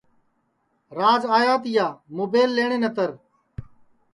راج آیا تیا مُبیل لئیٹؔے نتر